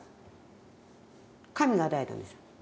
神が与えたんですよ。